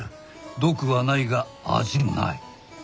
毒はないが味もない。